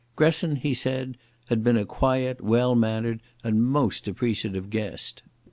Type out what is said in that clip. Gresson, he said, had been a quiet, well mannered, and most appreciative guest.